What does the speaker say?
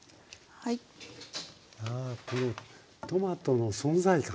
あこのトマトの存在感。